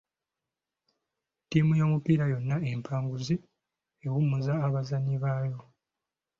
Ttiimu y'omupiira yonna empanguzi ewummuza abazannyi baayo.